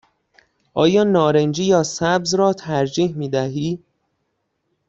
آیا نارنجی یا سبز را ترجیح می دهی؟